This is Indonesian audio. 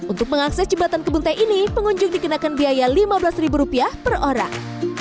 untuk mengakses jembatan kebun teh ini pengunjung dikenakan biaya lima belas ribu rupiah per orang